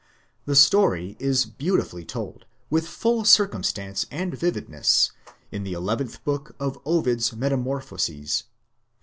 The story is beautifully told, with full cir cumstance and vividness, in the eleventh book of Ovid's Meta morphoses.